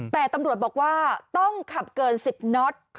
แต่ตำรวจบอกว่าต้องขับเกิน๑๐น็อต